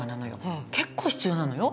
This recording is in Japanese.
結構必要なのよ。